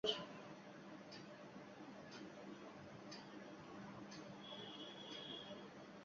কী এমন রহস্য আছে এই খুদে কণাদের ভেতর?